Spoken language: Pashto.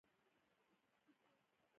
هندوکش د افغانستان د ځمکې د جوړښت نښه ده.